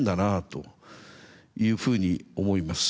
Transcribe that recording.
というふうに思います。